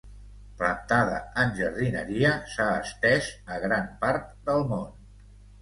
Plantada en jardineria, s'ha estès a gran part del món.